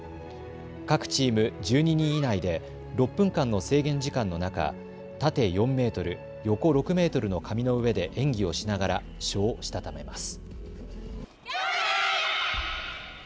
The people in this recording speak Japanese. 各チーム１２人以内で６分間の制限時間の中、縦４メートル、横６メートルの紙の上で演技をしながら書をしたためます。